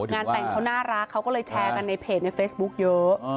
งานแต่งเขาน่ารักเขาก็เลยแชร์กันในเพจในเฟซบุ๊คเยอะ